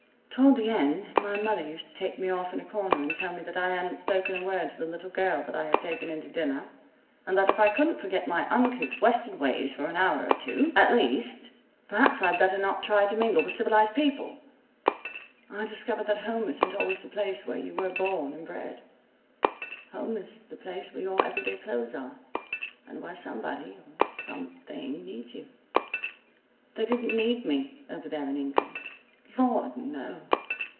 Toward the end my mother used to take me off in a corner and tell me that I hadn't spoken a word to the little girl that I had taken in to dinner, and that if I couldn't forget my uncouth western ways for an hour or two, at least, perhaps I'd better not try to mingle with civilized people. I discovered that home isn't always the place where you were born and bred. Home is the place where your everyday clothes are, and where somebody, or something needs you. They didn't need me over there in England. Lord no!